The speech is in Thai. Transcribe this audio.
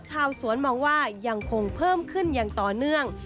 ชาวสวนมองว่ายังคงเพิ่มขึ้นอย่างต่อเนื่อง